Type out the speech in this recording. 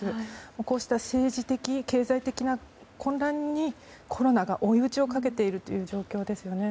こうした政治的、経済的な混乱にコロナが追い打ちをかけている状況ですよね。